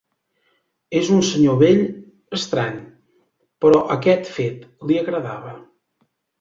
És un senyor vell estrany, però aquest fet li agradava.